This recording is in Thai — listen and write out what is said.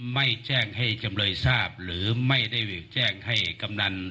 ไม่แจ้งให้จำเลยทราบหรือไม่ได้แจ้งให้กำนัน